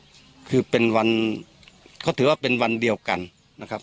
วันนั้นคือเป็นวันก็ถือว่าเป็นวันเดียวกันนะครับ